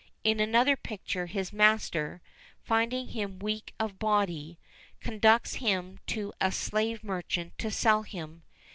In another picture, his master, finding him weak of body, conducts him to a slave merchant to sell him.